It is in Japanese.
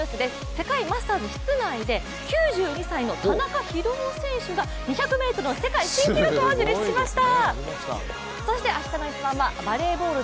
世界マスターズ室内で９２歳の田中博男選手が２００ｍの世界新記録を樹立しました。